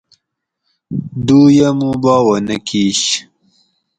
دُویہ مُو باواۤ نہ کِیش